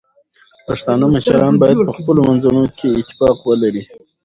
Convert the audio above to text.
پښتانه مشران باید په خپلو منځونو کې اتفاق ولري.